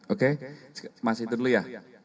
oke masih dulu ya